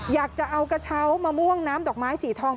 อยากจะเอากระเช้ามะม่วงน้ำดอกไม้สีทอง